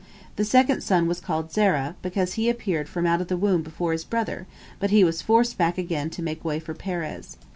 " The second son was called Zerah, because he appeared from out of the womb before his brother, but he was forced back again to make way for Perez.